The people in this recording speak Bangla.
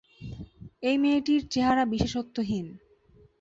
এই মেয়েটির চেহারা বিশেষত্বহীন।